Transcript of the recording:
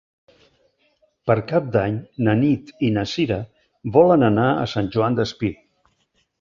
Per Cap d'Any na Nit i na Sira volen anar a Sant Joan Despí.